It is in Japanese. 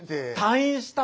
「退院した。